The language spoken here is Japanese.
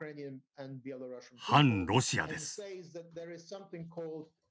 「汎ロシア」です。